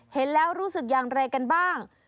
เห็นแล้วรู้สึกอย่างไรกันบ้าง